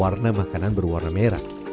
warna makanan berwarna merah